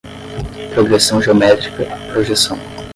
progressão geométrica, projeção